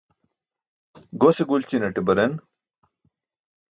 Gose gulćinaṭe baren.